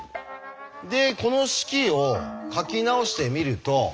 でこの式を書き直してみると。